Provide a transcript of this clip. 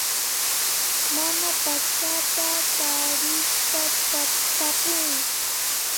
Mana pachata tarishpa tapun